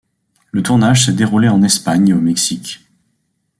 Le tournage s'est déroulé en Espagne et au Mexique.